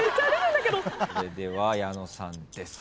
それでは矢野さんです。